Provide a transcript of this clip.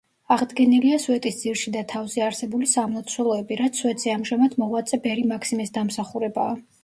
აღდგენილია სვეტის ძირში და თავზე არსებული სამლოცველოები, რაც სვეტზე ამჟამად მოღვაწე ბერი მაქსიმეს დამსახურებაა.